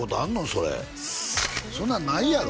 それそんなんないやろ？